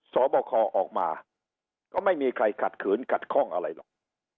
สอบคอออกมาก็ไม่มีใครขัดขืนขัดข้องอะไรหรอก